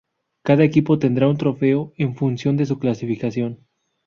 Cada equipo tendrá un trofeo en función de su clasificación.